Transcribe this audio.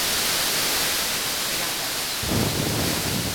–Serán dadas.